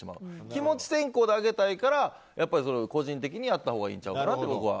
気持ち先行であげたいから個人的にやったほうがいいんちゃうかなって僕は。